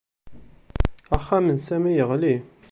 Axxam n Sami yeɣli